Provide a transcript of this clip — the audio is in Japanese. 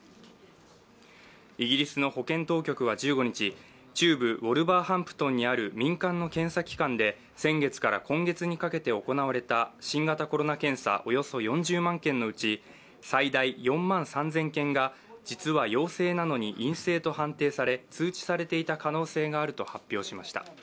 イギリスの保健当局は１５日、中部ウォルヴァーハンプトンにある民間の検査機関で先月から今月にかけて行われた新型コロナ検査、およそ４０万件のうち、最大４万３０００件が実は陽性なのに陰性と判定され、通知されていた可能性があると発表しました。